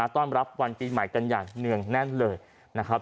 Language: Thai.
ต้อนรับวันปีใหม่กันอย่างเนื่องแน่นเลยนะครับ